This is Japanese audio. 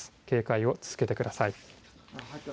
警戒を続けてください。